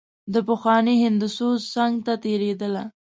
د پخواني هندو سوز څنګ ته تېرېدله.